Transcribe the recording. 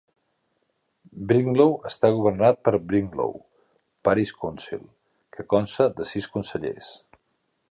Brinklow està governat pel Brinklow Parish Council, que consta de sis consellers.